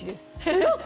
すごい！